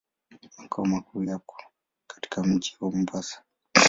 Makao makuu yako katika mji wa Mombasa.